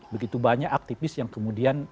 begitu banyak aktivis yang kemudian